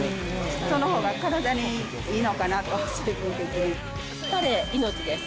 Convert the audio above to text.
そのほうが体にいいのかなと、たれ、命です。